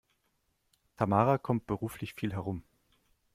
Tamara kommt beruflich viel herum.